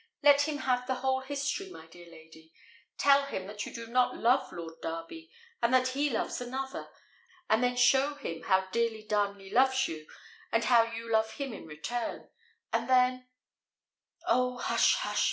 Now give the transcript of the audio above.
Let him have the whole history, my dear lady; tell him that you do not love Lord Darby, and that he loves another; and then show him how dearly Darnley loves you, and how you love him in return; and then " "Oh, hush, hush!